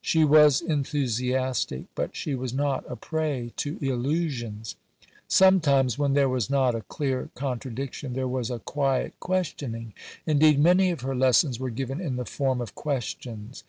She was enthusiastic, but she was not a prey to illusions. Sometimes when there was not a clear contradiction, there was a quiet questioning. Indeed many of her lessons were given in the form of questions.